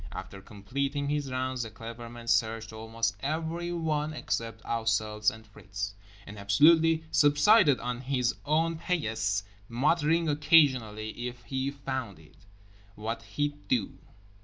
After completing his rounds The Clever Man searched almost everyone except ourselves and Fritz, and absolutely subsided on his own paillasse muttering occasionally "if he found it" what he'd do.